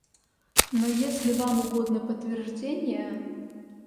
Но если вам угодно подтверждение...